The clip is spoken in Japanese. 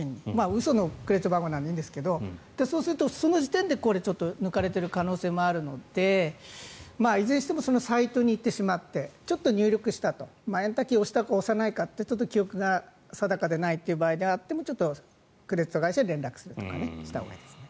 嘘のクレジットカードなのでいいんですけどそうすると、その時点で抜かれている可能性もあるのでいずれにしてもそのサイトに行ってしまってちょっと入力してしまったとエンターキーを押したか押してないか記憶が定かでないという場合であってもクレジットカード会社に連絡するとかしたほうがいいですね。